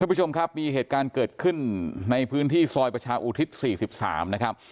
ผู้ชมครับมีเหตุการณ์เกิดขึ้นในพื้นที่ซอยประชาอุทิศ๔๓นะครับ